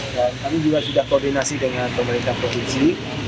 kami juga sudah koordinasi dengan pemerintah provinsi